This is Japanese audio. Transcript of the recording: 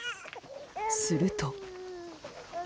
すると。